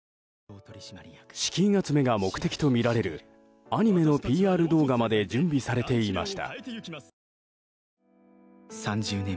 資金集めが目的とみられるアニメのＰＲ動画まで準備されていました。